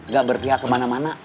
gak berpihak kemana mana